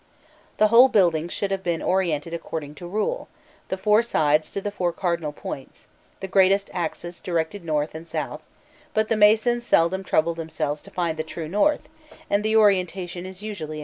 The whole building should have been orientated according to rule, the four sides to the four cardinal points, the greatest axis directed north and south; but the masons seldom troubled themselves to find the true north, and the orientation is usually incorrect.